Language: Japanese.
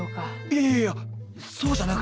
いやいやいやそうじゃなくて。